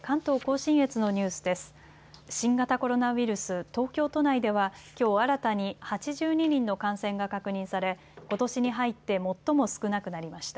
新型コロナウイルス、東京都内では、きょう新たに８２人の感染が確認されことしに入って最も少なくなりました。